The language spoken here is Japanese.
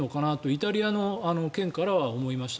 イタリアの件からは思いました。